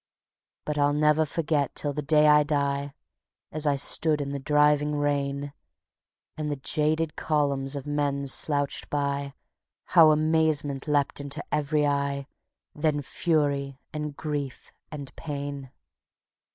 But I'll never forget till the day I die, As I stood in the driving rain, And the jaded columns of men slouched by, How amazement leapt into every eye, Then fury and grief and pain.